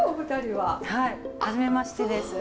はい初めましてです。